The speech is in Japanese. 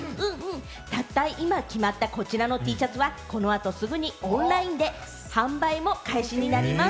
たった今、決まったこちらのＴシャツは、この後すぐにオンラインで販売開始になります。